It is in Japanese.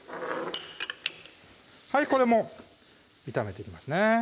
これも炒めていきますね